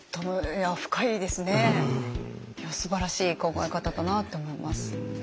すばらしい考え方だなって思います。